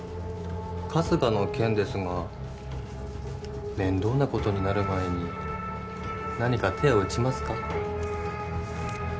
春日の件ですが面倒なことになる前に何か手を打ちますか？